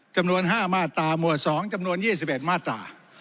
จำนวน๕มาตราหมวด๒จำนวน๒๑มาตรา